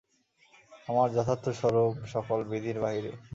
আমার যথার্থ স্বরূপ সকল বিধির বাহিরে।